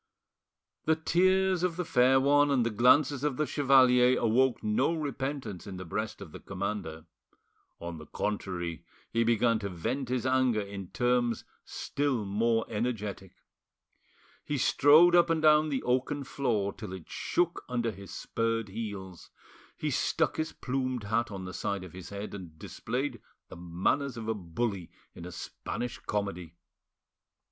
The tears of the fair one and the glances of the chevalier awoke no repentance in the breast of the commander; on the contrary, he began to vent his anger in terms still more energetic. He strode up and down the oaken floor till it shook under his spurred heels; he stuck his plumed hat on the side of his head, and displayed the manners of a bully in a Spanish comedy.